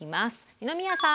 二宮さん。